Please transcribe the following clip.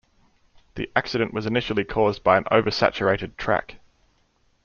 The accident was initially caused by an oversaturated track.